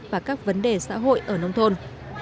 và các vấn đề xã hội ở nông thôn